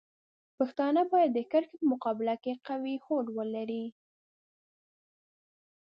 پښتانه باید د دې کرښې په مقابل کې قوي هوډ ولري.